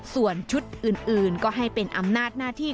ส่วนชุดอื่นก็ให้เป็นอำนาจหน้าที่